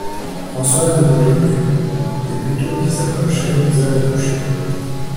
Françoise ne bougeait plus, et Buteau, qui s’approchait, n’osa la toucher.